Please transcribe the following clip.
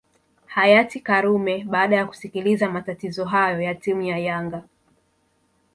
hayati karume baada ya kusikiliza matatizo hayo ya timu ya yanga